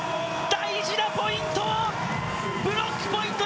大事なポイント。